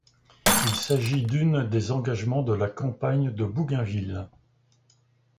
Il s'agit d'une des engagements de la campagne de Bougainville.